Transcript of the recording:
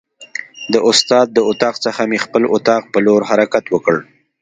د استاد اتاق څخه مې خپل اتاق په لور حرکت وکړ.